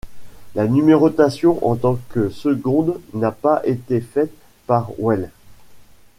La numérotation en tant que seconde n'a pas été faite par Weill.